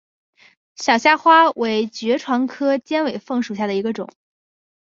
小虾花为爵床科尖尾凤属下的一个种。